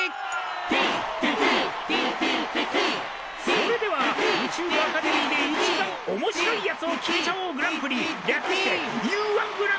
それでは「宇宙アカデミーで一番おもしろいやつを決めちゃおうグランプリ」略してＵ−１グランプリの。